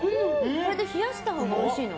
これ冷やしたほうがおいしいの？